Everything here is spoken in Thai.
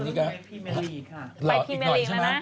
ไปพี่แมลริงแล้วนะ